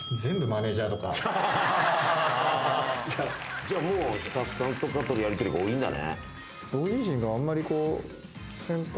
じゃあスタッフさんとかとのやりとりが多いんだね。